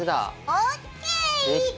ＯＫ。